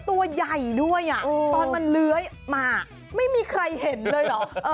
ตัวใหญ่ด้วยอ่ะตอนมันเลื้อยมาไม่มีใครเห็นเลยเหรอ